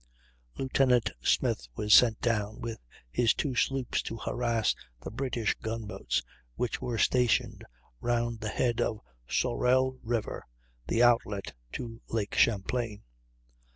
Lieutenant Smith was sent down with his two sloops to harass the British gun boats, which were stationed round the head of Sorel River, the outlet to Lake Champlain.